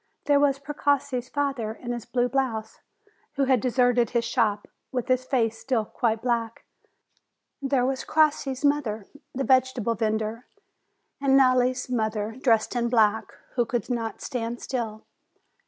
There was Precossi's father, in his blue blouse, who had deserted his shop, with his face still quite black. There was Crossi's mother, the vegetable vendor; and Nelli's mother, dressed in black, who could not stand still.